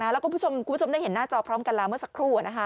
แล้วคุณผู้ชมได้เห็นหน้าจอพร้อมกันแล้วเมื่อสักครู่